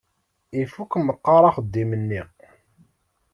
Ifukk meqqar axeddim-nni.